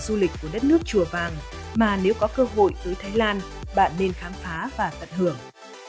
hứa hìn là du lịch của đất nước chùa vàng mà nếu có cơ hội tới thái lan bạn nên khám phá và tận hưởng